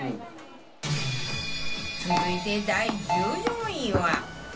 続いて第１４位は